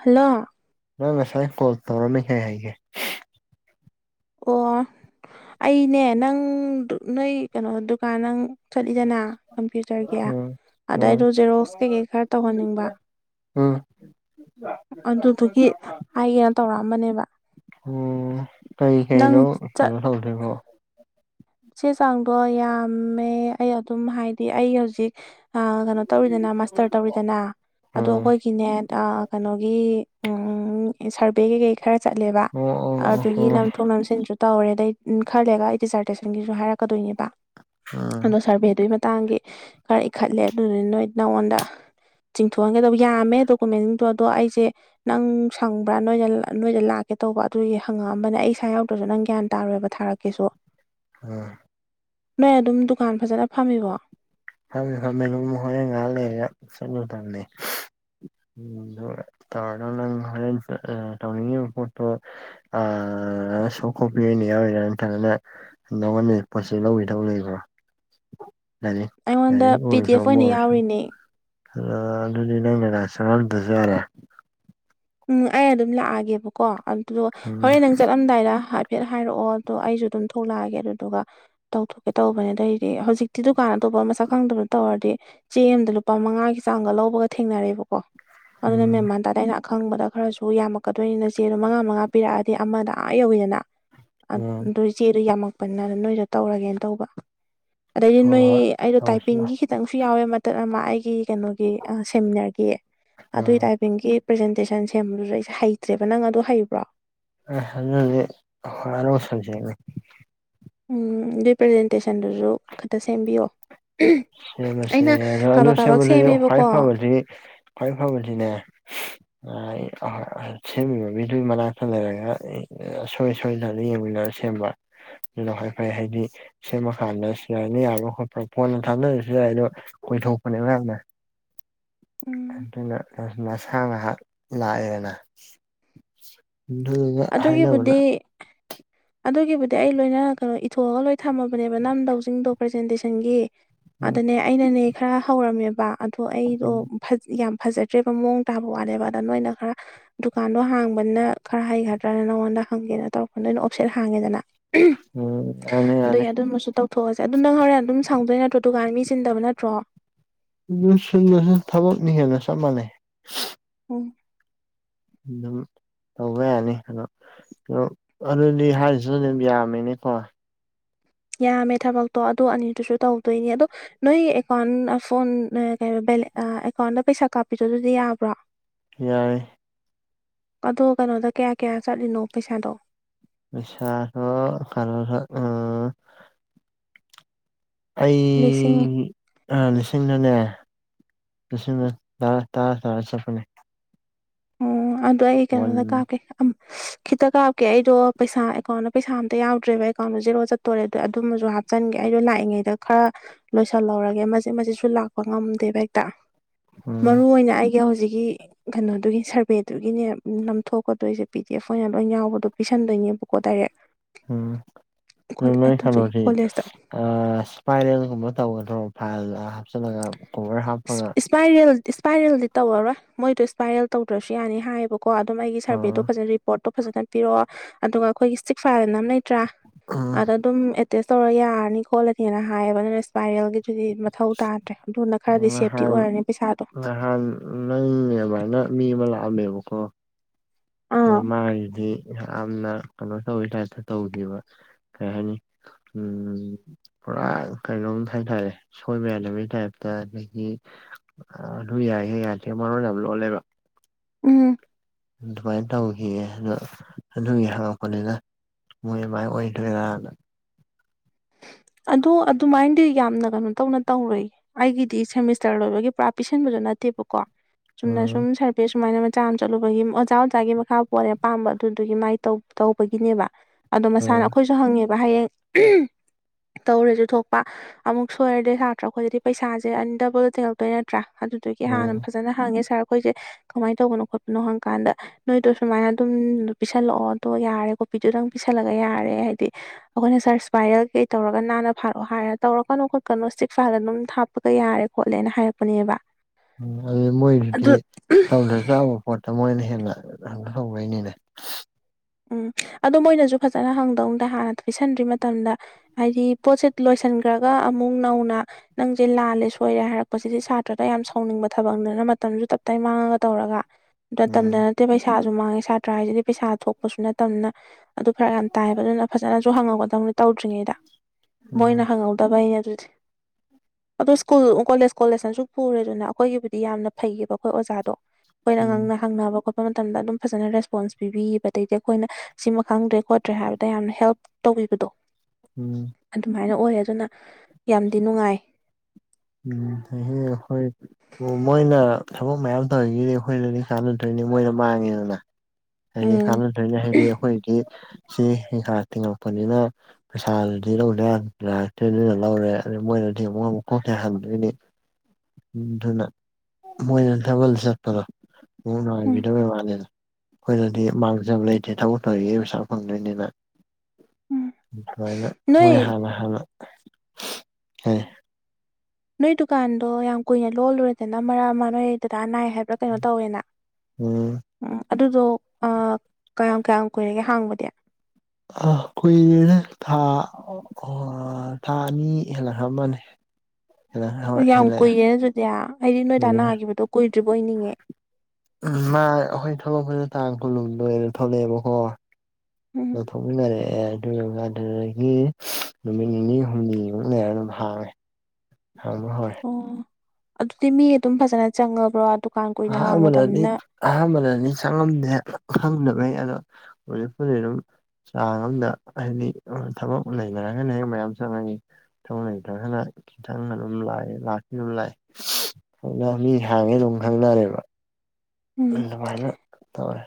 hello ꯅꯪ ꯉꯁꯥꯏ call ꯇꯧꯔꯝꯅꯤ ꯍꯥꯏ ꯍꯥꯏꯒꯦ ꯑꯣ ꯑꯩꯅꯦ ꯅꯪ ꯅꯣꯏ ꯀꯩꯅꯣ ꯗꯨꯀꯥꯟ ꯅꯪ ꯆꯠꯂꯤꯗꯅ ꯀꯝꯄ꯭ꯌꯨꯇꯔꯒꯤꯌꯥ ꯎꯝ ꯎꯝ ꯑꯗꯏꯗꯣ ꯖꯦꯔꯣꯛꯁ ꯀꯩꯀꯩ ꯈꯔ ꯇꯧꯍꯟꯅꯤꯡꯕ ꯎꯝ ꯑꯗꯨꯗꯨꯒꯤ ꯍꯥꯏꯒꯦꯅ ꯇꯧꯔꯛꯑꯝꯕꯅꯦꯕ ꯎꯝ ꯀꯔꯤ ꯅꯪ ꯀꯩꯅꯣ ꯆꯠ ꯀꯩꯅꯣ ꯍꯧꯗ꯭ꯔꯤꯔꯤꯕꯣ ꯆꯦ ꯆꯥꯡꯗꯣ ꯌꯥꯝꯃꯦ ꯑꯩ ꯑꯗꯨꯝ ꯍꯥꯏꯗꯤ ꯑꯩ ꯍꯧꯖꯤꯛ ꯀꯩꯅꯣ ꯇꯧꯔꯤꯗꯅ ꯃꯥꯁꯇꯔ ꯇꯧꯔꯤꯗꯅ ꯑꯗꯣ ꯎꯝ ꯑꯩꯈꯣꯏꯒꯤꯅꯦ ꯇꯥ ꯀꯩꯅꯣꯒꯤ ꯎꯝ ꯎ ꯁꯔꯚꯦ ꯀꯩꯀꯩ ꯈꯔ ꯆꯠꯂꯦꯕ ꯑꯣ ꯑꯣ ꯑꯣ ꯑꯣ ꯑꯗꯨꯒꯤ ꯂꯝꯝꯊꯣꯛ ꯅꯁꯤꯟ ꯇꯧꯔꯦ ꯑꯗꯩ ꯈꯜꯂꯦꯒ ꯑꯩ ꯗꯤꯖꯥꯔꯇꯦꯁꯟꯒꯤꯁꯨ ꯍꯥꯏꯔꯛꯀꯗꯣꯏꯅꯦꯕ ꯎꯝ ꯑꯗꯣ ꯁꯔꯚꯦꯗꯨꯒꯤ ꯃꯇꯥꯡꯒꯤ ꯈꯔ ꯏꯈꯠꯂꯦ ꯑꯗꯨꯗꯨꯅꯤ ꯅꯣꯏ ꯅꯪꯉꯣꯟꯗ ꯆꯤꯡꯊꯣꯛꯍꯟꯒꯦꯗ ꯌꯥꯝꯃꯦ ꯗꯣꯀꯨꯃꯦꯟꯁꯤꯡꯗꯣ ꯑꯗꯣ ꯑꯩꯁꯦ ꯅꯪ ꯁꯪꯕ꯭ꯔꯥ ꯅꯣꯏꯗ ꯅꯣꯏꯗ ꯂꯥꯛꯀꯦ ꯇꯧꯕ ꯑꯗꯨꯒꯤ ꯍꯪꯉꯛꯑꯝꯕꯅꯦ ꯑꯩ ꯏꯁꯥ ꯌꯥꯎꯗ꯭ꯔꯁꯨ ꯅꯪ ꯒ꯭ꯌꯥꯟ ꯇꯥꯔꯣꯏꯕ ꯊꯥꯔꯛꯀꯤꯁꯨ ꯎꯝ ꯅꯣꯏ ꯑꯗꯨꯝ ꯗꯨꯀꯥꯟ ꯐꯖꯅ ꯐꯝꯃꯤꯕꯣ ꯐꯝꯃꯦ ꯐꯝꯃꯦ ꯃꯈꯣꯏ ꯉꯥꯏꯥꯛ ꯂꯩꯔ ꯆꯠꯂꯨꯗꯝꯅꯦ [unintelligible] ꯇꯧꯎꯅꯤꯡꯒꯤꯕꯥ ꯄꯣꯠꯇꯣ ꯑ ꯁꯣ ꯀꯣꯄꯤ [unintelligible] ꯅꯉꯣꯟꯗꯩ ꯄꯣꯠ ꯆꯩ ꯂꯧꯋꯗꯧ ꯂꯩꯕ꯭ꯔꯥꯅꯤ ꯑꯩꯉꯣꯟꯗ ꯄꯤ ꯗꯤ ꯑꯦꯐ ꯑꯣꯏꯅ [unintelligible] ꯌꯥꯎꯔꯤꯅꯦ ꯑ ꯑꯗꯨꯗꯤ ꯅꯪꯅ ꯆꯪꯉꯝꯗꯁꯨ ꯌꯥꯔꯦ ꯎꯝ ꯑꯩ ꯑꯗꯨꯝ ꯂꯥꯛꯑꯒꯦꯕꯀꯣ ꯑꯗꯨꯗꯣ ꯎꯝ ꯍꯣꯔꯦꯟ ꯅꯪ ꯆꯠꯂꯝꯗꯥꯏꯗ ꯐꯦꯠ ꯍꯥꯏꯔꯛꯑꯣ ꯑꯗꯣ ꯑꯩꯁꯨ ꯑꯗꯨꯝ ꯊꯣꯛꯂꯛꯑꯒꯦ ꯑꯗꯨꯗꯨꯒ ꯇꯧꯊꯣꯛꯀꯦ ꯇꯧꯕꯅꯦ ꯑꯗꯩꯗꯤ ꯍꯧꯖꯤꯛꯇꯤ ꯗꯨꯀꯥꯟ ꯑꯇꯣꯞꯄ ꯃꯁꯛ ꯈꯪꯗꯕꯅ ꯇꯧꯔꯗꯤ ꯆꯦꯡ ꯑꯃꯗ ꯂꯨꯄꯥ ꯃꯉꯥꯒꯤ ꯆꯥꯡꯒ ꯂꯧꯕꯒ ꯊꯦꯡꯅꯔꯦꯕꯀꯣ ꯑꯗꯨꯅ ꯎꯝ ꯃꯦꯟꯃꯥꯟ ꯇꯗ ꯑꯩꯅ ꯈꯪꯕꯗ ꯈꯔꯁꯨ ꯌꯥꯝꯃꯛꯀꯗꯣꯏꯅꯤꯅ ꯆꯦ ꯑꯗꯨꯗꯣ ꯃꯉꯥ ꯃꯉꯥ ꯄꯤꯔꯛꯑꯗꯤ ꯑꯃꯗ ꯑꯥ ꯌꯧꯋꯤꯗꯅ ꯎꯝ ꯑꯗꯨ ꯏꯆꯦꯗꯣ ꯌꯥꯝꯃꯛꯄꯅꯤꯅ ꯅꯣꯏꯗ ꯇꯧꯔꯒꯦꯅ ꯇꯧꯕ ꯑꯗꯩꯗꯤ ꯍꯣꯏ ꯅꯣꯏ ꯍꯣꯏ ꯑꯩꯗꯣ ꯇꯧꯁꯤ ꯇꯥꯏꯄꯤꯡꯒꯤ ꯈꯤ ꯈꯤꯇꯪꯁꯨ ꯌꯥꯎꯋꯦ ꯃꯇꯠ ꯑꯃ ꯑꯩꯒꯤ ꯀꯩꯅꯣꯒꯤ ꯁꯦꯃꯤꯅꯔꯒꯤ ꯑꯗꯨꯏ ꯎꯝ ꯇꯥꯏꯄꯤꯡꯒꯤ ꯄ꯭ꯔꯖꯦꯟꯇꯦꯁꯟ ꯁꯦꯝꯕꯗꯨꯁꯨ ꯑꯩꯁꯦ ꯍꯩꯇꯔ꯭ꯦꯕ ꯅꯪ ꯑꯗꯨ ꯍꯩꯕ꯭ꯔꯣ ꯑꯦ ꯑꯗꯨꯗꯤ ꯑꯔꯨ ꯁꯞꯖꯦꯛꯅꯤ ꯎꯝ ꯑꯗꯨꯏ ꯄ꯭ꯔꯖꯦꯟꯇꯦꯁꯟꯗꯨꯁꯨ ꯈꯇ ꯁꯦꯝꯕꯤꯌꯣ ꯁꯦꯝꯃꯁꯦ ꯑꯩꯅ ꯑ ꯑꯗꯨ ꯀꯥꯕꯛ ꯀꯥꯕꯛ ꯁꯦꯝꯕꯗꯨꯗꯤ ꯈ꯭ꯋꯥꯏ ꯁꯦꯝꯃꯦꯕꯀꯣ ꯐꯕꯗꯤ ꯈ꯭ꯋꯥꯏ ꯐꯕꯗꯤꯅꯦ ꯑꯥ ꯁꯦꯝꯃꯤꯕ ꯃꯤꯗꯨꯒꯤ ꯃꯅꯥꯛꯇ ꯂꯩꯔꯒ ꯁꯣꯏ ꯁꯣꯏꯗꯝꯅꯤ ꯌꯦꯡꯃꯤꯟꯅꯔ ꯁꯦꯝꯕ ꯑꯗꯨꯅ ꯈꯋꯥꯏ ꯐꯩ ꯍꯥꯏꯗꯤ ꯁꯦꯝꯕ ꯀꯥꯟꯗ ꯁꯤ ꯌꯥꯥꯅꯤ ꯌꯥꯕ ꯈꯣꯠꯄ ꯄꯣꯅ [unintelligible] ꯌꯥꯏꯗꯣ ꯀꯣꯏꯊꯣꯛꯄꯅꯦꯕ ꯌꯥꯝꯅ ꯎꯝ ꯑꯗꯨꯅ ꯅꯁꯥ ꯉꯍꯥꯛ ꯂꯥꯛꯑꯦꯅ ꯑꯗꯨꯗꯨꯒ ꯍꯥꯏꯅꯕꯅ ꯑꯗꯨꯒꯤꯕꯨꯗꯤ ꯑꯗꯨꯒꯤꯕꯨꯗꯤ ꯑꯩ ꯂꯣꯏꯅ ꯀꯅꯣ ꯏꯊꯣꯛꯑꯒ ꯂꯣꯏ ꯊꯝꯃꯕꯅꯦꯕ ꯅꯝꯗꯧꯁꯤꯡꯗꯣ ꯄ꯭ꯔꯖꯦꯟꯇꯦꯁꯟꯒꯤ ꯎꯝ ꯑꯗꯅꯦ ꯑꯩꯅꯅꯦ ꯈꯔ ꯍꯧꯔꯝꯃꯦꯕ ꯑꯗꯣ ꯑꯩꯗꯣ ꯐꯠ ꯌꯥꯝ ꯐꯖꯗ꯭ꯔꯦꯕ ꯃꯑꯣꯡ ꯇꯥꯕ ꯋꯥꯠꯂꯦꯕ ꯑꯗ ꯅꯣꯏꯅ ꯈꯔ ꯗꯨꯀꯥꯟꯗꯣ ꯍꯥꯡꯕꯅ ꯈꯔ ꯍꯩꯒꯗ꯭ꯔꯥꯅ ꯅꯪꯉꯣꯟꯗ ꯍꯪꯒꯦꯅ ꯇꯧꯔꯛꯄꯅ ꯅꯣꯏ ꯑꯣꯞꯁꯦꯠ ꯍꯥꯡꯉꯦꯗꯅ ꯎꯝ ꯌꯥꯅꯤ ꯑꯗꯨꯏ ꯌꯥꯅꯤ ꯑꯗꯨꯃꯁꯨ ꯇꯧꯊꯣꯛꯑꯖꯦ ꯑꯗꯨ ꯅꯪ ꯍꯣꯔꯦꯟ ꯑꯗꯨꯝ ꯁꯪꯗꯣꯏ ꯅꯠꯇ꯭ꯔꯣ ꯗꯨꯀꯥꯟ ꯃꯤ ꯆꯤꯟꯗꯕ ꯅꯠꯇ꯭ꯔꯣ [unintelligible] ꯊꯕꯛꯅꯤ ꯀꯩꯅꯣ ꯆꯞ ꯃꯥꯟꯅꯩ ꯎꯝ ꯑꯗꯨꯝ ꯇꯧꯕ ꯌꯥꯅꯤ ꯑꯗꯣ ꯑꯗꯣ ꯑꯗꯨꯗꯤ ꯍꯥꯏꯔꯤꯁꯤꯅꯗꯤ ꯑꯗꯨꯝ ꯌꯥꯝꯃꯦꯅꯦꯀꯣ ꯌꯥꯝꯃꯦ ꯊꯕꯛꯇꯣ ꯑꯗꯨ ꯑꯅꯤꯗꯨꯁꯨ ꯇꯧꯗꯣꯏꯅꯤ ꯑꯗꯣ ꯅꯣꯏ ꯑꯦꯀꯥꯎꯟ ꯐꯣꯟ ꯑ ꯀꯩꯕ ꯕꯦꯜ ꯑꯦꯀꯥꯎꯟꯗ ꯄꯩꯁꯥ ꯀꯥꯞꯄꯤꯗꯣ ꯑꯗꯨꯗꯤ ꯌꯥꯕ꯭ꯔꯣ ꯌꯥꯏ ꯑꯗꯣ ꯀꯅꯣꯗ ꯀꯌꯥ ꯀꯌꯥ ꯆꯠꯂꯤꯅꯣ ꯄꯩꯁꯥꯗꯣ [unintelligible] ꯂꯤꯁꯤꯡ ꯑꯩ ꯂꯤꯁꯤꯡꯅꯅꯦ ꯂꯤꯁꯤꯡ ꯇꯔꯥ ꯇꯔꯥ ꯁꯥꯔ ꯆꯠꯄꯅꯦ ꯑꯣ ꯑꯗꯣ ꯑꯩ ꯋꯥꯟ ꯀꯩꯅꯣꯗ ꯀꯥꯞꯀꯦ ꯑꯝ [inaudible] ꯈꯤꯇ ꯀꯥꯞꯀꯦ ꯑꯩꯗꯣ ꯄꯩꯁꯥ ꯑꯦꯀꯥꯎꯟꯗ ꯄꯩꯁꯥ ꯑꯝꯇ ꯌꯥꯎꯗ꯭ꯔꯦꯕ ꯑꯦꯀꯥꯎꯟꯗ ꯖꯦꯔꯣ ꯆꯠꯇꯣꯔꯦ ꯑꯗꯨꯝꯃꯁꯨ ꯍꯥꯞ ꯆꯟꯒꯦ ꯑꯩꯗꯣ ꯂꯥꯛꯏꯉꯩꯗ ꯈꯔ ꯂꯣꯏꯁꯤꯜꯍꯧꯔꯒꯦ ꯃꯆꯤꯠ ꯃꯆꯤꯠꯁꯨ ꯂꯥꯛꯄ ꯉꯝꯗꯦꯕ ꯍꯦꯛꯇ ꯎꯝ ꯃꯔꯨ ꯑꯣꯏꯅ ꯑꯩꯒꯤ ꯍꯧꯖꯤꯛꯀꯤ ꯀꯅꯣꯗꯨꯒꯤ ꯁꯔꯚꯦꯗꯨꯒꯤꯅꯦ ꯅꯝꯊꯣꯛꯀꯗꯣꯏꯁꯦ ꯄꯤ ꯗꯤ ꯑꯦꯐ ꯑꯣꯏꯅ ꯂꯣꯏ ꯌꯥꯎꯕꯗꯣ ꯄꯤꯁꯟꯗꯣꯏꯅꯦꯕꯀꯣ ꯗꯥꯏꯔꯦꯛ ꯎꯝ ꯅꯣꯏ [unintelligible] ꯑꯗꯨꯗꯨꯒꯤ ꯀꯣꯂꯦꯖꯇ ꯑꯥ ꯏꯁꯄꯥꯏꯔꯦꯜꯒꯨꯝꯕ ꯇꯧꯒꯗ꯭ꯔꯣ ꯐꯥꯏꯜꯗ ꯍꯥꯞꯆꯤꯜꯂꯒ ꯀꯣꯕꯔ ꯍꯥꯞꯄꯒ ꯄꯥꯏꯔꯦꯜ ꯁ꯭ꯄꯥꯏꯔꯦꯜꯗꯤ ꯇꯧꯔꯔꯣꯏ ꯃꯣꯏꯗꯣ ꯁ꯭ꯄꯥꯏꯔꯦꯜ ꯇꯧꯗ꯭ꯔꯁꯨ ꯌꯥꯅꯤ ꯍꯥꯏꯌꯦꯕ ꯀꯣ ꯑꯗꯨꯝ ꯑꯩꯒꯤ ꯁꯔꯕꯦꯗꯣ ꯐꯖꯅ ꯔꯤꯄꯣꯔꯠꯇꯣ ꯐꯖꯅ ꯄꯤꯔꯣ ꯑꯗꯨꯒ ꯑꯈꯣꯏꯒꯤ ꯁ꯭ꯇꯤꯛ ꯐꯥꯏꯜ ꯑꯝ ꯂꯩꯇ꯭ꯔꯥ ꯑꯗ ꯑꯗꯨꯝ ꯑꯦꯇꯦꯁ ꯇꯧꯔ ꯌꯥꯔꯅꯤ ꯈꯣꯠꯂꯅꯤꯅ ꯍꯥꯏꯌꯦꯕ ꯑꯗꯨꯅ ꯁ꯭ꯄꯥꯏꯔꯦꯜꯒꯤ ꯑꯗꯨꯗꯤ ꯃꯊꯧ ꯇꯥꯗ꯭ꯔꯦ ꯑꯗꯨꯅ ꯈꯔꯗꯤ ꯁꯦꯞꯇꯤ ꯑꯣꯏꯔꯅꯤ ꯄꯩꯁꯥꯗꯣ ꯉꯍꯥꯟ ꯅꯪꯅꯦ ꯑꯗꯨꯃꯥꯏꯅ ꯃꯤ ꯑꯃ ꯂꯥꯛꯑꯝꯃꯦꯕꯀꯣ ꯑꯗ ꯑꯥ ꯃꯥꯒꯤꯗꯤ ꯌꯥꯝꯅ ꯀꯅꯣ ꯇꯧꯋꯤ ꯇꯥꯏꯞꯇ ꯇꯧꯈꯤꯕ ꯀꯩ ꯍꯥꯏꯅꯤ ꯎꯝ ꯄꯨꯔꯥ ꯀꯩꯅꯣꯝ ꯍꯥꯏꯇꯔꯦ ꯁꯣꯏꯕ ꯌꯥꯗꯕꯩ ꯇꯥꯏꯞꯇ ꯑꯗꯒꯤ ꯑ ꯑꯗꯨ ꯌꯥꯏꯒ ꯌꯥꯗꯦꯒ ꯃꯔꯣꯟ ꯌꯥꯝ ꯂꯣꯜꯂꯦꯕ ꯎꯝ ꯑꯗꯨꯃꯥꯏ ꯇꯧꯈꯤꯌꯦ ꯑꯗꯣ ꯑꯗꯨꯒꯤ ꯍꯪꯉꯛꯄꯅꯤꯗ ꯃꯣꯏ ꯑꯃꯥꯏ ꯑꯣꯏꯗꯣꯏꯔꯥꯅ ꯑꯗꯣ ꯑꯗꯨꯃꯥꯏꯗꯤ ꯌꯥꯝꯅ ꯀꯅꯣ ꯇꯧꯅ ꯇꯧꯔꯣꯏ ꯑꯩꯒꯤꯗꯤ ꯁꯦꯃꯤꯁꯇꯔ ꯂꯣꯏꯕꯒꯤ ꯄꯨꯔꯥ ꯄꯤꯁꯤꯟꯕꯗꯨ ꯅꯠꯇꯦꯕꯀꯣ ꯆꯨꯝꯅ ꯎꯝ ꯁꯨꯝ ꯁꯔꯚꯦ ꯁꯨꯃꯥꯏꯅ ꯃꯆꯥ ꯑꯃ ꯆꯠꯂꯨꯕꯒꯤ ꯑꯣꯖꯥ ꯑꯣꯖꯥꯒꯤ ꯃꯈꯥ ꯄꯣꯟꯂꯦ ꯑꯄꯥꯝꯕ ꯑꯗꯨꯗꯨꯒꯤ ꯃꯥꯏ ꯇꯧ ꯇꯧꯕꯒꯤꯅꯦꯕ ꯑꯗꯣ ꯃꯁꯥꯅ ꯎꯝ ꯑꯩꯈꯣꯏꯁꯨ ꯍꯪꯉꯦꯕ ꯍꯌꯦꯡ ꯇꯧꯔꯦꯖꯨ ꯊꯣꯛꯄ ꯑꯃꯨꯛ ꯁꯣꯏꯔꯗꯤ ꯁꯥꯇ꯭ꯔ ꯑꯩꯈꯣꯏꯗꯗꯤ ꯄꯩꯁꯥꯖꯦ ꯑꯟꯗꯕꯜ ꯇꯤꯡꯉꯛꯇꯣꯏ ꯅꯠꯇ꯭ꯔꯥ ꯑꯗꯨ ꯑꯗꯨꯒꯤ ꯎꯝ ꯍꯥꯟꯅ ꯐꯖꯅ ꯍꯪꯉꯦ ꯁꯥꯔ ꯑꯩꯈꯣꯏꯖꯦ ꯀꯃꯥꯏ ꯇꯧꯕꯅꯣ ꯈꯣꯠꯄꯅꯣ ꯍꯪ ꯀꯥꯟꯗ ꯅꯣꯏꯗꯣ ꯁꯨꯃꯥꯏꯅ ꯑꯗꯨꯝ ꯄꯤꯁꯜꯂꯛꯑꯣ ꯑꯗꯣ ꯌꯥꯔꯦ ꯀꯣꯄꯤꯗꯨꯗꯪ ꯄꯤꯁꯜꯂꯒ ꯌꯥꯔꯦ ꯍꯥꯏꯗꯤ ꯑꯣꯈꯣꯏꯅ ꯁꯔ ꯁ꯭ꯄꯥꯏꯔꯦꯜ ꯇꯧꯔꯒ ꯅꯥꯟꯅ ꯐꯥꯔꯣ ꯍꯥꯏꯔꯥ ꯇꯧꯔꯛꯀꯅꯨ ꯈꯣꯠꯀꯅꯨ ꯁ꯭ꯇꯤꯛ ꯐꯥꯏꯜꯗ ꯑꯗꯨꯝ ꯍꯥꯞꯄꯒ ꯌꯥꯔꯦ ꯈꯣꯠꯂꯦꯅ ꯍꯥꯏꯔꯛꯄꯅꯦꯕ ꯎꯝ ꯑꯗꯨꯗꯤ ꯃꯣꯏꯗꯨꯗꯤ ꯑꯗꯨ ꯇꯧꯗ꯭ꯔꯁꯨ ꯌꯥꯕ ꯄꯣꯠꯇꯣ ꯃꯣꯏꯅ ꯍꯦꯟꯅ ꯇꯧꯕꯩꯅꯤꯅꯦ ꯎꯝ ꯑꯗꯣ ꯃꯣꯏꯅꯁꯨ ꯐꯖꯅ ꯍꯪꯗꯧꯅꯤꯗ ꯍꯥꯟꯅ ꯄꯤꯁꯟꯗ꯭ꯔꯤ ꯃꯇꯝꯗ ꯍꯥꯏꯗꯤ ꯄꯣꯠꯁꯦ ꯂꯣꯏꯁꯟꯈ꯭ꯔꯒ ꯑꯃꯨꯛ ꯅꯧꯅ ꯅꯪꯁꯦ ꯂꯥꯜꯂꯦ ꯁꯣꯏꯔꯦ ꯍꯥꯏꯔꯛꯄꯁꯤꯗꯤ ꯁꯥꯇ꯭ꯔꯗ ꯌꯥꯝ ꯁꯥꯎꯅꯤꯡꯕ ꯊꯕꯛꯅꯤꯅ ꯃꯇꯝꯁꯨ ꯇꯞꯇꯥꯏ ꯃꯥꯡꯉꯒ ꯇꯧꯔꯒ ꯃꯇꯝꯗ ꯎꯝ ꯅꯠꯇꯦ ꯄꯩꯁꯥꯁꯨ ꯃꯥꯡꯉꯦ ꯁꯥꯇ꯭ꯔ ꯍꯥꯏꯁꯤꯗꯤ ꯄꯩꯁꯥ ꯊꯣꯛꯄꯁꯨ ꯅꯠꯇꯝꯅꯤꯅ ꯑꯗꯨ ꯐꯔꯛ ꯌꯥꯝ ꯇꯥꯏꯑꯦꯕ ꯑꯗꯨꯅ ꯐꯖꯅꯁꯨ ꯍꯪꯉꯧꯒꯗꯧꯅꯤ ꯇꯧꯗ꯭ꯔꯤꯉꯩꯗ ꯎꯝ ꯃꯣꯏꯅ ꯍꯪꯉꯧꯗꯕꯩꯅꯦ ꯑꯗꯨꯗꯤ [inaudible] ꯑꯗꯣ ꯁ꯭ꯀꯨꯜ ꯀꯣꯂꯦꯖ ꯀꯣꯂꯦꯖꯅꯁꯨ ꯄꯨꯔꯦꯗꯅ ꯑꯩꯈꯣꯏꯒꯤꯕꯨꯗꯤ ꯌꯥꯝꯅ ꯐꯩꯌꯦꯕ ꯑꯩꯈꯣꯏ ꯑꯣꯖꯥꯗꯣ ꯑꯩꯈꯣꯏꯅ ꯎꯝ ꯉꯥꯡꯅ ꯍꯪꯅꯕ ꯈꯣꯠꯄ ꯃꯇꯝꯗ ꯑꯗꯨꯝ ꯐꯖꯅ ꯔꯦꯁꯄꯣꯟꯁ ꯄꯤꯕꯤꯌꯦꯕ ꯑꯗꯩꯗꯤ ꯑꯩꯈꯣꯏꯅ ꯁꯤꯃ ꯈꯪꯗ꯭ꯔꯦ ꯈꯣꯠ ꯇ꯭ꯔꯦ ꯍꯥꯏꯕꯗ ꯌꯥꯝꯅ ꯍꯦꯜꯞ ꯇꯧꯕꯤꯕꯗꯣ ꯎꯝ ꯑꯗꯨꯃꯥꯏꯅ ꯑꯣꯏ ꯑꯗꯨꯅ ꯌꯥꯝꯗꯤ ꯅꯨꯡꯉꯥꯏ ꯎꯝ ꯐꯩꯌꯦ ꯑꯩꯈꯣꯏ ꯎꯝ ꯃꯣꯏꯅ ꯊꯕꯛ ꯃꯌꯥꯝ ꯇꯧꯔꯤꯁꯤꯗꯤ ꯑꯩꯈꯣꯏꯗꯗꯤ ꯀꯥꯟꯅꯗꯣꯏꯅꯤ ꯃꯣꯏꯅ ꯃꯥꯡꯉꯦꯗꯅ ꯍꯥꯏꯗꯤ ꯎꯝ ꯀꯥꯟꯅꯗꯣꯏꯅꯤ ꯍꯥꯏꯗꯤ ꯑꯩꯈꯣꯏꯗꯤ ꯁꯤ ꯍꯤꯡꯈꯥ ꯇꯤꯡꯉꯛꯄꯅꯤꯅ ꯄꯩꯁꯥꯗꯨꯗꯤ ꯂꯧꯗ ꯌꯥꯗ ꯑꯗꯨꯅ ꯂꯧꯔꯦ ꯑꯗꯨ ꯃꯣꯏꯅꯗꯤ ꯑꯃꯨꯛ ꯑꯃꯨꯛ ꯃꯀꯣꯛꯇꯩ ꯍꯟꯗꯣꯏꯅꯤ ꯑꯗꯨꯅ ꯃꯣꯏꯅ ꯊꯥꯕꯜ ꯆꯠꯄꯗꯣ ꯑꯃꯨꯛ ꯎꯝ ꯅꯨꯡꯉꯥꯏꯕꯤꯗꯕꯩ ꯋꯥꯅꯤꯗ ꯑꯩꯈꯣꯏꯗꯗꯤ ꯃꯥꯡꯖꯕ ꯂꯩꯇꯦ ꯊꯕꯛ ꯇꯧꯔꯤꯉꯩ ꯄꯩꯁꯥ ꯐꯪꯗꯣꯏꯅꯤꯅ ꯎꯝ ꯑꯗꯨꯃꯥꯏꯅ ꯅꯣꯏ ꯃꯣꯏ ꯍꯥꯟꯅ ꯍꯥꯟꯅ ꯅꯣꯏ ꯗꯨꯀꯥꯟꯗꯣ ꯌꯥꯝ ꯀꯨꯏꯅ ꯂꯣꯜꯂꯨꯔꯦꯗꯅ ꯃꯔꯛ ꯑꯃꯥ ꯅꯣꯏ ꯗꯗꯥ ꯅꯥꯏ ꯍꯥꯏꯕ꯭ꯔ ꯀꯩꯅꯣ ꯇꯧꯑꯦꯅ ꯎꯝ ꯑꯗꯨꯗꯣ ꯑ ꯀꯌꯥꯝ ꯀꯌꯥꯝ ꯀꯨꯏꯔꯒꯦ ꯍꯪ ꯍꯥꯡꯕꯗꯤ ꯑ ꯀꯨꯏꯔꯦꯗ ꯊꯥ ꯊꯥ ꯑꯅꯤ ꯍꯦꯜꯂꯛꯑꯝꯃꯅꯤ ꯌꯥꯝ ꯀꯨꯏꯔꯦꯅ ꯑꯗꯨꯨꯗꯤ ꯑꯩꯗꯤ ꯅꯣꯏꯗꯥ ꯅꯥꯈꯤꯕꯗꯣ ꯀꯨꯏꯗ꯭ꯔꯤꯕꯣꯏ ꯅꯤꯡꯉꯤ ꯎꯝ ꯃꯥ ꯑꯩꯈꯣꯏ ꯊꯣꯛꯂꯛꯄꯗ ꯇꯥꯡ ꯀꯨꯟ ꯍꯨꯝꯗꯣꯏꯗ ꯊꯣꯛꯂꯛꯑꯦꯕꯀꯣ ꯎꯝ ꯊꯣꯛꯃꯤꯟꯅꯔꯛꯑꯦ ꯑꯗꯨ ꯑꯗꯨꯗꯒꯤ ꯅꯨꯃꯤꯠ ꯅꯤꯅꯤ ꯍꯨꯝꯅꯤꯃꯨꯛ ꯂꯩꯔ ꯑꯗꯨꯝ ꯍꯥꯡꯉꯦ ꯍꯥꯡꯕ ꯍꯧꯔꯦ ꯑꯣ ꯑꯗꯨꯗꯤ ꯃꯤ ꯑꯗꯨꯝ ꯐꯖꯅ ꯆꯪꯉꯕ꯭ꯔꯣ ꯗꯨꯀꯥꯟ ꯀꯨꯏꯅ ꯑꯍꯥꯟꯕꯗꯗꯤ ꯍꯥꯡꯉꯨꯗꯕꯅꯤꯅ ꯑꯍꯥꯟꯕꯗꯗꯤ ꯆꯪꯉꯝꯗꯦ ꯈꯪꯗꯅꯕꯩ ꯑꯗꯣ ꯍꯧꯖꯤꯛꯄꯨꯗꯤ ꯑꯗꯨꯝ ꯆꯥꯡ ꯑꯃꯗ ꯍꯥꯏꯗꯤ ꯊꯕꯛ ꯂꯩꯅꯔꯒꯅ ꯍꯦꯛ ꯃꯌꯥꯝ ꯆꯪꯉꯛꯏ ꯊꯕꯛ ꯂꯩꯇ꯭ꯔꯒꯅ ꯈꯤꯇꯪ ꯑꯗꯨꯝ ꯂꯥꯛꯏ ꯂꯥꯛꯇꯤ ꯑꯗꯨꯝ ꯂꯥꯛꯏ ꯃꯤ ꯍꯥꯡꯉꯦ ꯑꯗꯨꯝ ꯈꯪꯅꯔꯦꯕ ꯎꯝ ꯑꯗꯨꯃꯥꯏꯅ ꯇꯧꯔꯦ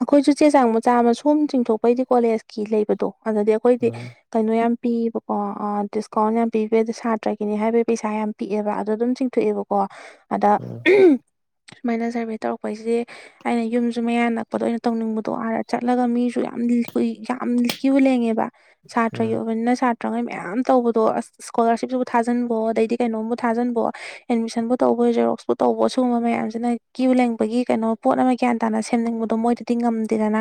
ꯑꯩꯈꯣꯏꯁꯨ ꯆꯦ ꯆꯥꯡ ꯃꯆꯥ ꯃꯁꯨ ꯆꯤꯡꯊꯣꯛꯄꯩꯗꯤ ꯀꯣꯂꯦꯖꯀꯤ ꯂꯩꯕꯗꯣ ꯑꯗꯨꯗꯗꯤ ꯑꯩꯈꯣꯏꯗꯤ ꯎꯝ ꯀꯩꯅꯣ ꯌꯥꯝ ꯄꯤꯕꯀꯣ ꯑ ꯗꯤꯁꯀꯥꯎꯟ ꯌꯥꯝ ꯄꯤꯕ ꯑꯗꯣ ꯁꯥꯇ꯭ꯔꯒꯤꯅꯦ ꯍꯥꯏꯕꯩ ꯄꯩꯁꯥ ꯌꯥꯝ ꯄꯤꯛꯑꯦꯕ ꯑꯗꯣ ꯑꯗꯨꯝ ꯆꯤꯡꯊꯣꯛꯑꯦꯕ ꯀꯣ ꯑꯗ ꯎꯝ ꯁꯨꯃꯥꯏꯅ ꯁ [unintelligible] ꯇꯧꯔꯛꯄꯩꯁꯤ ꯑꯩꯅ ꯌꯨꯝꯁꯨ ꯃꯌꯥ ꯅꯛ ꯄꯗꯣ ꯑꯩꯅ ꯇꯧꯅꯤꯡꯕꯗꯣ ꯑꯥꯗ ꯆꯠꯂꯒ ꯃꯤꯁꯨ ꯌꯥꯝ ꯀꯨꯏ ꯌꯥꯝ ꯀ꯭ꯌꯨ ꯂꯦꯡꯉꯦꯕ ꯁꯥꯇ꯭ꯔꯒꯤ ꯎꯝ ꯑꯣꯏꯕꯅꯤꯅ ꯁꯥ ꯇ꯭ꯔꯉꯩ ꯃꯌꯥꯝ ꯇꯧꯕꯗꯣ ꯑꯁ ꯏꯁ꯭ꯀꯣꯂꯥꯔꯁꯤꯞꯁꯤꯕꯨ ꯊꯥꯖꯟꯕꯑꯣ ꯑꯗꯩꯗꯤ ꯀꯩꯅꯣꯝꯕꯨ ꯊꯥꯖꯟꯕꯑꯣ ꯑꯦꯠꯃꯤꯁꯟꯕꯨ ꯇꯧꯕ ꯖꯦꯔꯣꯛꯁꯄꯨ ꯇꯧꯕ ꯁꯤꯒꯨꯝꯕ ꯃꯌꯥꯝꯁꯤꯅ ꯀ꯭ꯌꯨ ꯂꯦꯡꯕꯒꯤ ꯀꯩꯅꯣ ꯄꯣꯠ ꯑꯃ ꯒ꯭ꯌꯥꯟ ꯇꯥꯅ ꯁꯦꯝꯅꯤꯡꯕ ꯑꯗꯨ ꯃꯣꯏꯗꯗꯤ ꯉꯝꯗꯦꯗꯅ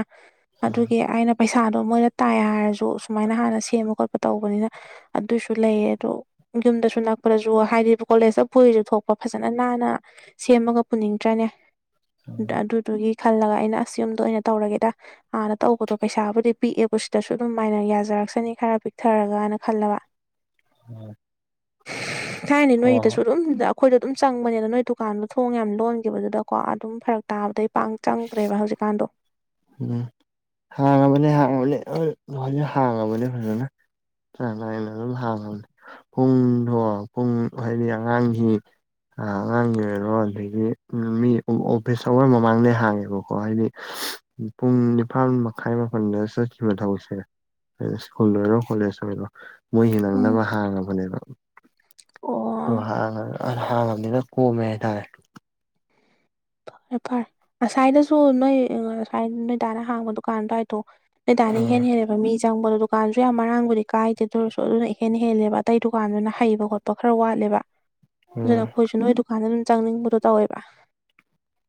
ꯎꯝ ꯑꯗꯨꯒꯤ ꯑꯩꯅ ꯄꯩꯁꯥꯗꯣ ꯃꯣꯏꯅ ꯇꯥꯏ ꯍꯥꯏꯔꯁꯨ ꯁꯨꯃꯥꯏꯅ ꯍꯥꯟꯅ ꯁꯦꯝꯕ ꯈꯣꯠꯄ ꯇꯧꯕꯅꯤꯅ ꯑꯗꯨꯁꯨ ꯂꯩꯌꯦ ꯑꯗꯣ ꯌꯨꯝꯗꯁꯨ ꯅꯛꯄꯗꯁꯨ ꯍꯥꯏꯗꯤ ꯀꯣꯂꯦꯖꯇ ꯄꯨꯔꯤꯁꯨ ꯊꯣꯛꯄ ꯐꯖꯅꯥ ꯅꯥꯟꯅ ꯁꯦꯝꯃꯒ ꯄꯨꯅꯤꯡꯗ꯭ꯔꯅꯦ ꯑꯗꯨꯗꯨꯒꯤ ꯈꯜꯂꯒ ꯑꯩꯅ ꯑꯁ ꯌꯨꯝꯗ ꯑꯣꯏꯅ ꯇꯧꯔꯒꯦꯗ ꯑꯥꯗ ꯇꯧꯕꯗꯣ ꯄꯩꯁꯥꯕꯨꯗꯤ ꯄꯤꯛꯑꯦꯕꯨ ꯁꯤꯗꯁꯨ ꯑꯗꯨꯝ ꯃꯥꯏꯅ ꯌꯥꯖꯔꯛꯁꯅꯤ ꯈꯔ ꯄꯤꯛꯊꯔꯒꯅ ꯈꯜꯂꯕ ꯎꯝ ꯊꯥꯏꯅ ꯅꯣꯏꯒꯤꯗꯁꯨ ꯑꯗꯨꯝ ꯑꯈꯣꯏꯗꯣ ꯑꯗꯨꯝ ꯆꯕꯅꯦ ꯅꯣꯏ ꯗꯨꯀꯥꯟꯗꯣ ꯊꯣꯡ ꯌꯥꯝ ꯂꯣꯟꯈꯤꯕꯗꯨꯗꯀꯣ ꯑꯗꯨꯝ ꯐꯔꯛ ꯇꯥꯕꯗꯩ ꯄꯥꯡ ꯆꯪꯗ꯭ꯔꯦꯕ ꯍꯧꯖꯤꯛ ꯎꯝ ꯍꯥꯡꯉꯕꯅꯦ ꯍꯥꯡꯉꯕꯅꯤ ꯍꯣꯏ ꯍꯧꯖꯤꯛ ꯍꯥꯡꯉꯕꯅꯤ ꯐꯖꯅꯥ ꯆꯥꯡ ꯅꯥꯏꯅ ꯑꯗꯨꯝ ꯍꯥꯡꯉꯕꯅꯦ ꯄꯨꯡꯗꯣ ꯄꯨꯡ ꯍꯥꯏꯗꯤ ꯑꯉꯥꯡꯒꯤ ꯑ ꯑꯉꯥꯡꯒꯤ ꯑꯣꯏꯔꯣ ꯑꯗꯒꯤ ꯃꯤ ꯑꯣꯐꯤꯁ ꯑꯥꯋꯔꯁ ꯃꯃꯥꯡꯅꯦ ꯍꯥꯡꯉꯦꯕꯀꯣ ꯍꯥꯏꯗꯤ ꯄꯨꯡ ꯅꯤꯄꯥꯟ ꯃꯈꯥꯏ ꯃꯥꯄꯟꯗ ꯆꯠꯈꯤꯕ ꯊꯕꯛꯁꯦ ꯁ꯭ꯀꯨꯜ ꯑꯣꯏꯔꯣ ꯀꯣꯂꯦꯖ ꯑꯣꯏꯔꯣ ꯃꯣꯏꯒꯤ ꯎꯝ ꯅꯪꯅꯕ ꯍꯥꯡꯉꯕꯅꯦꯕ ꯑꯣ ꯑꯗꯨ ꯍꯥꯡꯉꯕꯅꯤꯅ ꯀꯣꯝꯃꯦ ꯈꯥꯏꯇꯥꯔꯦ ꯐꯔꯦ ꯐꯔꯦ ꯉꯁꯥꯏꯗꯁꯨ ꯅꯣꯏ ꯑꯥ ꯉꯥꯁꯥꯏ ꯅꯣꯏ ꯗꯥꯅ ꯍꯥꯡꯕ ꯗꯨꯀꯥꯟ ꯑꯗꯥꯏꯗꯣ ꯅꯣꯏ ꯗꯥꯅ ꯎꯝ ꯏꯍꯦꯟ ꯍꯦꯟꯂꯦꯕ ꯃꯤ ꯆꯪꯕꯗꯣ ꯗꯨꯀꯥꯟꯁꯨ ꯌꯥꯝ ꯃꯔꯥꯡꯕꯨꯗꯤ ꯀꯥꯏꯗꯦ ꯑꯗꯨ ꯑꯣꯏꯔꯁꯨ ꯑꯗꯨꯅ ꯏꯍꯦꯟ ꯍꯦꯟꯂꯦꯕ ꯑꯇꯩ ꯗꯨꯀꯥꯟꯗꯨꯅ ꯍꯩꯕ ꯈꯣꯠꯄ ꯈꯔ ꯋꯥꯠꯂꯦꯕ ꯑꯗꯨꯅ ꯎꯝ ꯑꯩꯈꯣꯏꯁꯨ ꯅꯣꯏ ꯗꯨꯀꯥꯟꯗ ꯑꯗꯨꯝ ꯆꯪꯅꯤꯡꯕꯗꯣ ꯇꯧꯋꯦꯕ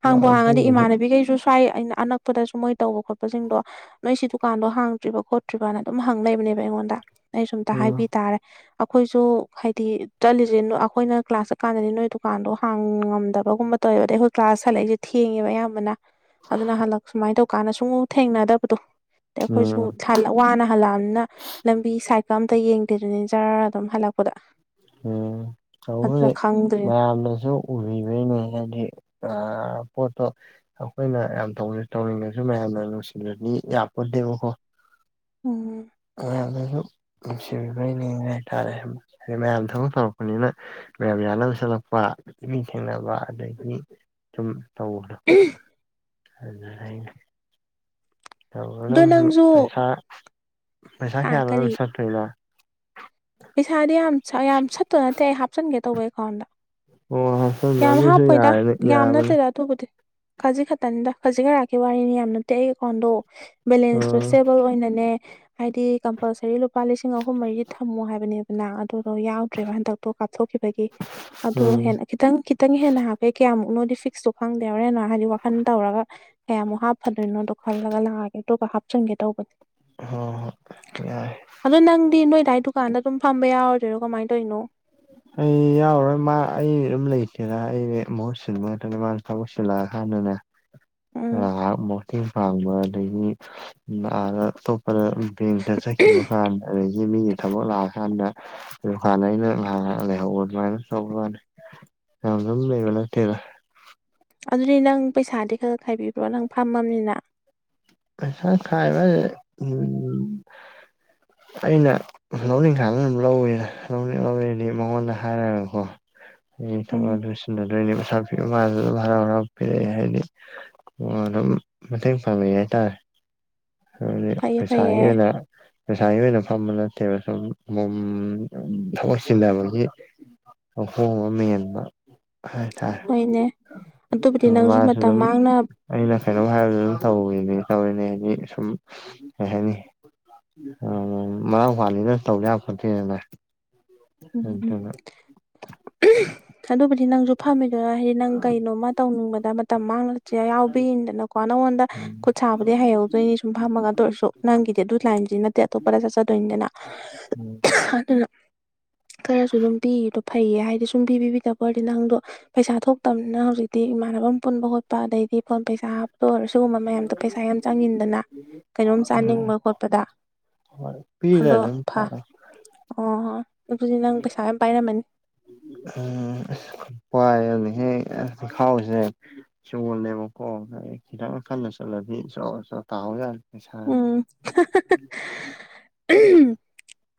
ꯍꯥꯡꯕꯨ ꯍꯥꯡꯉꯗꯤ ꯑꯗꯨꯕꯨꯗꯤ ꯏꯃꯟꯅꯕꯤꯈꯩꯁꯨ ꯁ꯭ꯋꯥꯏ ꯑꯩꯅ ꯑꯅꯛꯄꯗꯁꯨ ꯃꯣꯏ ꯇꯧꯕ ꯈꯣꯠꯄꯁꯤꯡꯗꯣ ꯅꯣꯏ ꯁꯤ ꯗꯨꯀꯥꯟꯗꯣ ꯍꯥꯡꯗ꯭ꯔꯤꯕ ꯈꯣꯠꯇ꯭ꯔꯤꯕꯅ ꯑꯗꯨꯝ ꯍꯪ ꯂꯩꯕꯅꯦꯕ ꯑꯩꯉꯣꯟꯗ ꯑꯩꯁꯨ ꯑꯝꯇ ꯎꯝ ꯍꯥꯏꯕꯤ ꯇꯔꯦ ꯑꯈꯣꯏꯁꯨ ꯍꯥꯏꯗꯤ ꯆꯠꯂꯤꯁꯦ ꯑꯩꯈꯣꯏꯅ ꯀ꯭ꯂꯥꯁ ꯆꯠꯀꯥꯟꯗꯅꯤ ꯅꯣꯏ ꯗꯨꯀꯥꯟꯗꯣ ꯍꯥꯡꯉꯝꯗꯕꯒꯨꯝꯕ ꯇꯧꯋꯦꯕ ꯑꯗꯩ ꯑꯈꯣꯏ ꯀ꯭ꯂꯥꯁ ꯍꯜꯂꯛꯏꯁꯦ ꯊꯦꯡꯉꯦꯕ ꯑꯌꯥꯝꯕꯅ ꯑꯗꯨꯅ ꯍꯜꯂꯛ ꯁꯨꯃꯥꯏꯅ ꯇꯧꯀꯥꯟꯗ ꯁꯨꯡꯎ ꯊꯦꯡꯅꯗꯕꯗꯣ ꯑꯗꯥꯒꯤ ꯑꯈꯣꯏ ꯁꯨ ꯎꯝ ꯋꯥꯅ ꯍꯜꯂꯛꯑꯅꯤꯅ ꯂꯝꯕꯤ ꯁꯥꯏꯠꯀ ꯑꯝꯇ ꯌꯦꯡꯗꯦꯗꯨꯅꯤ ꯖꯔ ꯑꯗꯨꯝ ꯍꯜꯂꯛꯄꯗ ꯎꯝ ꯑꯗꯨꯅ ꯇꯛꯕꯨꯗꯤ ꯈꯪꯗ꯭ꯔꯦ ꯃꯌꯥꯝꯅꯁꯨ ꯎꯕꯤꯕꯩꯅꯦ ꯍꯥꯏꯗꯤ ꯑ ꯄꯣꯠꯇꯣ ꯑꯈꯣꯏꯅ ꯌꯥꯝ ꯇ ꯇꯧꯅꯤꯡꯉꯥꯁꯨ ꯃꯌꯥꯝꯅ ꯅꯨꯡꯁꯤꯕꯤꯗꯔꯗꯤ ꯌꯥꯄꯣꯟꯇꯦꯕꯀꯣ ꯎꯝ ꯃꯌꯥꯝꯅꯁꯨ ꯅꯨꯡꯁꯤꯕꯤꯕꯩꯅꯤ ꯍꯥꯏꯇꯥꯔꯦ ꯍꯥꯏꯗꯤ ꯃꯌꯥꯝ ꯊꯕꯛ ꯇꯧꯔꯛꯄꯅꯤꯅ ꯃꯌꯥꯝ ꯌꯥꯅꯕ ꯆꯠꯂꯛꯄ ꯃꯤ ꯊꯦꯡꯅꯕ ꯑꯗꯒꯤ ꯁꯨꯝ ꯇꯧꯕꯗꯣ ꯑꯗꯨꯗꯩꯅꯦ ꯑꯗꯣ ꯇꯧꯔꯗꯧꯅꯤ ꯅꯪꯁꯨ ꯄꯩꯁꯥ ꯄꯩꯁꯥ ꯑꯥ ꯀꯌꯥꯅꯣ ꯀꯔꯤ ꯅꯪꯅꯥ ꯁꯠꯇꯣꯏꯅ ꯄꯩꯁꯥꯗꯤ ꯌꯥꯝ ꯌꯥꯝ ꯁꯠꯇꯧ ꯅꯠꯇꯦ ꯑꯩ ꯍꯞꯆꯤꯟꯒꯦ ꯇꯧꯕ ꯑꯦꯀꯥꯎꯟꯗ ꯑꯣ ꯍꯥꯞꯆꯟꯂꯣ ꯌꯥꯝ ꯑꯗꯨꯁꯨ ꯍꯥꯞꯄꯣꯏꯗ ꯌꯥꯏꯅꯤ ꯌꯥꯝ ꯌꯥꯕꯅꯤ ꯅꯠꯇꯦꯗ ꯑꯗꯨꯕꯨꯗꯤ ꯈꯖꯤꯛ ꯈꯛꯇꯅꯤꯗ ꯈꯖꯤꯛ ꯈꯔꯥꯛꯀꯤ ꯋꯥꯔꯤꯅꯤ ꯌꯥꯝ ꯅꯠꯇꯦ ꯑꯩ ꯑꯦꯀꯥꯎꯟꯗꯣ ꯕꯦꯂꯦꯟꯁꯇꯣ ꯑꯣ ꯁꯇꯦꯕꯜ ꯑꯣꯏꯅꯅꯦ ꯍꯥꯏꯗꯤ ꯀꯝꯄꯜꯁꯔꯤ ꯂꯨꯄꯥ ꯂꯤꯁꯤꯡ ꯑꯍꯨꯝ ꯃꯔꯤꯗꯤ ꯊꯝꯃꯣ ꯍꯥꯏꯕꯅꯦꯗꯅ ꯑꯗꯨꯗꯣ ꯌꯥꯎꯗ꯭ꯔꯦꯕ ꯍꯟꯗꯛ ꯑꯇꯣꯞꯄꯗ ꯀꯥꯞꯊꯣꯛꯈꯤꯕꯒꯤ ꯑꯗꯣ ꯎꯝ ꯍꯦꯟꯅ ꯈꯤꯇꯪ ꯈꯤꯇꯪ ꯍꯦꯟꯅ ꯍꯥꯞꯀꯦ ꯀꯌꯥꯃꯨꯛꯅꯣꯗꯤ ꯐꯤꯛꯁꯇꯣ ꯈꯪꯗꯦ ꯍꯣꯔꯦꯟ ꯍꯥꯏꯗꯤ ꯋꯥꯈꯜ ꯇꯧꯔꯒ ꯀꯌꯥꯃꯨꯛ ꯍꯥꯞꯐꯗꯣꯏꯅꯣꯗꯣ ꯈꯜꯂꯒ ꯂꯥꯛꯑꯒꯦ ꯑꯗꯨꯒ ꯍꯥꯞꯆꯟꯒꯦ ꯇꯧꯕꯗꯤ ꯍꯣꯏ ꯍꯣꯏ ꯌꯥꯏ ꯑꯗꯣ ꯅꯪꯗꯤ ꯅꯣꯏ ꯗꯥꯒꯤ ꯗꯨꯀꯥꯟꯗ ꯑꯗꯨꯝ ꯐꯝꯕ ꯌꯥꯎꯔꯗꯣꯏꯔꯣ ꯀꯃꯥꯏꯅ ꯇꯧꯔꯤꯅꯣ ꯑꯩ ꯌꯥꯎꯔꯣꯏ ꯃꯥ ꯑꯩ ꯑꯗꯨꯝ ꯂꯩꯇꯦꯗ ꯑꯩꯗꯤ ꯃꯍꯨꯠ ꯁꯤꯟꯕ ꯈꯠꯇꯅꯦ ꯃꯥꯁꯨ ꯊꯕꯛ ꯆꯤꯟꯂꯛꯑꯀꯟꯗꯅꯦ ꯎꯝ ꯉꯥꯏꯍꯥꯛ ꯃꯇꯦꯡ ꯄꯥꯡꯕ ꯑꯗꯒꯤ ꯑꯗꯥ ꯑꯇꯣꯞꯄ ꯕꯦꯡꯀꯇ ꯆꯠꯈꯤꯕ ꯀꯥꯟꯗ ꯑꯗꯩ ꯃꯤꯒꯤ ꯊꯕꯛ ꯂꯥꯛꯑꯀꯥꯟꯗ ꯗꯨꯀꯥꯟꯗ ꯑꯩꯅ ꯉꯥꯏꯍꯛ ꯉꯥꯏꯍꯛ ꯂꯩꯍꯧꯕ ꯑꯗꯨꯃꯥꯏꯅ ꯇꯧꯕꯩ ꯋꯥꯅꯦ ꯌꯥꯝ ꯑꯗꯨꯝ ꯂꯩꯕ ꯅꯠꯇꯦꯗ ꯑꯗꯨꯗꯤ ꯅꯪ ꯄꯩꯁꯥꯗꯤ ꯈꯔ ꯈꯔ ꯈꯥꯏꯕꯤꯕ꯭ꯔꯣ ꯅꯪ ꯐꯝꯃꯅꯤꯅ ꯄꯩꯁꯥ ꯈꯥꯏꯕ ꯍꯥꯏꯁꯦ ꯎ ꯑꯩꯅ ꯂꯧꯅꯤꯡ ꯀꯥꯟꯗ ꯑꯗꯨꯝ ꯂꯧꯋꯦ ꯂꯧꯅꯤꯡ ꯂꯧꯅꯤꯡ ꯃꯉꯣꯟꯗ ꯍꯥꯏꯔꯒꯀꯣ ꯍꯥꯌꯦꯡ ꯊꯕꯛ ꯎꯝ ꯑꯗꯨ ꯁꯤꯖꯟꯅꯗꯣꯏꯅꯦ ꯄꯩꯁꯥ ꯄꯤꯔꯛ [unintelligible] ꯑꯣ ꯃꯥꯖꯨ ꯍꯔꯥꯎ ꯍꯔꯥꯎ ꯄꯤꯔꯛꯑꯦ ꯍꯥꯏꯗꯤ ꯑꯣ ꯑꯗꯨꯝ ꯃꯇꯦꯡ ꯄꯥꯡꯅꯩ ꯍꯥꯏꯇꯥꯔꯦ ꯍꯥꯢꯕꯗꯤ ꯐꯩꯌꯦ ꯐꯩꯌꯦ ꯄꯩꯁꯥꯒꯤ ꯑꯣꯏꯅ ꯄꯩꯁꯥꯏ ꯑꯣꯏꯅ ꯐꯝꯕ ꯅꯠꯇꯦꯕ ꯁꯨꯝ ꯃꯣꯝ ꯊꯕꯛ ꯆꯤꯟꯅꯕꯅꯤ ꯑꯍꯣꯕ ꯑꯃ ꯃꯦꯟꯕ ꯍꯥꯏꯊꯥꯔꯦ ꯍꯣꯏꯅꯦ ꯑꯗꯨꯕꯨꯗꯤ ꯅꯪꯁꯨ ꯃꯥꯁꯨ ꯃꯇꯝ ꯑꯗꯨꯝ ꯃꯥꯡꯅ ꯑꯩꯅ ꯀꯩꯅꯣꯝ ꯍꯥꯏꯕꯗ ꯑꯗꯨꯝ ꯇꯧꯕꯤꯅꯦ ꯇꯧꯔꯤꯅꯦ ꯍꯥꯏꯗꯤ ꯁꯨꯝ ꯀꯩ ꯍꯥꯏꯅꯤ ꯑꯥ ꯃꯥ ꯃꯅꯥꯎꯄꯥꯅꯤꯅ ꯇꯧꯗ ꯌꯥꯄꯣꯟꯇꯦꯅꯦ ꯚꯥꯏ ꯎꯝ ꯑꯗꯨꯕꯨꯗꯤ ꯅꯪꯁꯨ ꯐꯝꯃꯤꯗꯅ ꯍꯥꯏꯗꯤ ꯅꯪ ꯀꯩꯅꯣꯝꯃ ꯇꯧꯅꯤꯡꯕꯗ ꯃꯇꯝ ꯃꯥꯡꯉ ꯆꯦ ꯌꯥꯎꯕꯤꯅꯀꯣ ꯅꯪꯉꯣꯟꯗ ꯈꯨꯠ ꯁꯥꯕꯨꯗꯤ ꯍꯩꯍꯧꯗꯣꯏꯅꯤ ꯁꯨꯝ ꯐꯝꯃꯒꯗ ꯑꯗꯨꯑꯣꯏꯔꯁꯨ ꯅꯪꯒꯤꯗꯤ ꯑꯗꯨ ꯂꯥꯏꯟꯖꯤ ꯅꯠꯇꯦ ꯑꯇꯣꯞꯄꯗ ꯆꯠꯆꯗꯣꯏꯅꯤꯗꯅ ꯑꯗꯨꯔꯣ ꯈꯔꯁꯨ ꯑꯗꯨꯝ ꯄꯤꯗꯣ ꯐꯩꯌꯦ ꯍꯥꯏꯗꯤ ꯁꯨꯡꯄꯤꯄꯤꯕꯤꯗꯕ ꯑꯣꯏꯔꯗꯤ ꯅꯪꯗꯣ ꯄꯩꯁꯥ ꯊꯣꯛꯇꯕꯅꯤꯅ ꯍꯧꯖꯤꯛꯇꯤ ꯏꯃꯥꯟꯅꯕꯝ ꯄꯨꯟꯕ ꯈꯣꯠꯄ ꯑꯗꯩꯗꯤ ꯐꯣꯟ ꯄꯩꯁꯥ ꯍꯥꯞꯄ ꯑꯣꯏꯔꯁꯨ ꯁꯤꯒꯨꯝꯕ ꯃꯌꯥꯝꯗꯣ ꯄꯩꯁꯥ ꯌꯥꯝ ꯆꯪꯉꯤꯅꯤꯗꯅ ꯀꯩꯅꯣꯝ ꯆꯥꯅꯤꯡꯕ ꯈꯣꯠꯄꯗ ꯄꯤꯔ ꯑꯗꯣ ꯑꯗꯨꯝ ꯐꯥ ꯑꯣ ꯑꯣ ꯑꯗꯨꯗꯤ ꯅꯪ ꯄꯩꯁꯥ ꯌꯥꯝ ꯄꯥꯏꯔꯝꯃꯅꯤ ꯎꯝ ꯑꯁ ꯄꯥꯏꯌꯦꯅꯦꯍꯦ ꯑꯥ ꯄꯤꯈꯥꯎꯁꯦ ꯁꯣꯜꯂꯦꯕꯀꯣ ꯈꯤꯇꯪ ꯀꯟꯅ ꯆꯠꯂꯗꯤ ꯖꯣ ꯖꯣ ꯇꯍꯧꯖꯠꯅꯤ ꯄꯩꯁꯥ ꯎꯝ [inaudible]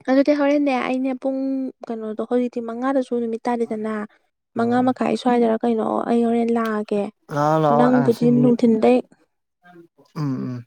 ꯑꯗꯨꯗꯤ ꯍꯣꯔꯦꯟꯅꯦ ꯑꯩꯅꯦ ꯄꯨꯡ ꯀꯩꯅꯣꯗꯣ ꯍꯧꯖꯤꯛꯇꯤ ꯃꯉꯥꯗꯁꯨ ꯅꯨꯃꯤꯠ ꯇꯥꯔꯦꯗꯅ ꯃꯉꯥ ꯎꯝ ꯃꯈꯥꯏ ꯁ꯭ꯋꯥꯏꯗꯔ ꯀꯩꯅꯣ ꯑꯩ ꯍꯣꯔꯦꯟ ꯂꯥꯛꯑꯒꯦ ꯂꯥꯛꯑꯣ ꯂꯥꯛꯑꯣ ꯅꯪꯕꯨꯗꯤ ꯑꯁꯤꯅꯤ ꯅꯨꯡꯊꯤꯟꯗꯩ ꯎꯝ ꯎꯝ